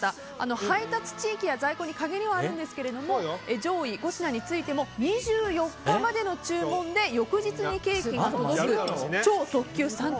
配達地域や在庫に限りはあるんですけども上位５品についても２４日までの注文で翌日にケーキが届く超特急サンタ